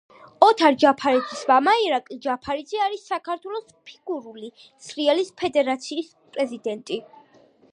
ოთარ ჯაფარიძის მამა ირაკლი ჯაფარიძე არის საქართველოს ფიგურული სრიალის ფედერაციის პრეზიდენტი.